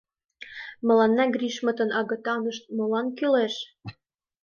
Мыланна Гришмытын агытанышт молан кӱлеш?»